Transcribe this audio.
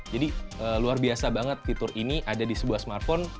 jadi luar biasa banget fitur ini ada di sebuah smartphone